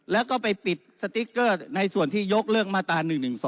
แล้วก็ไปปิดสติ๊กเกอร์ในส่วนที่ยกเลิกมาตรา๑๑๒